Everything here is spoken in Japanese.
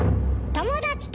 友達と？